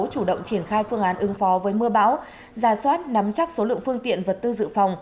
chủ động triển khai phương án ứng phó với mưa bão ra soát nắm chắc số lượng phương tiện vật tư dự phòng